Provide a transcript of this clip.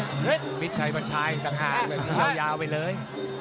และมิดชัยมณชายสะหากแล้วยาวไปเลย